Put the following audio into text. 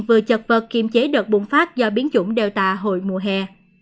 vừa chật vật kiềm chế đợt bùng phát do biến dụng delta hồi mùa hè